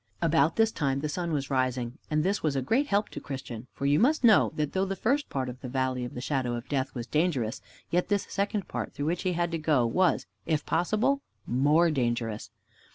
About this time the sun was rising, and this was a great help to Christian, for you must know that though the first part of the Valley of the Shadow of Death was dangerous, yet this second part, through which he had to go, was, if possible, far more dangerous.